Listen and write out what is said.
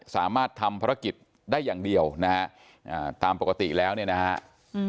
สามารถทำภารกิจได้อย่างเดียวนะฮะอ่าตามปกติแล้วเนี่ยนะฮะอืม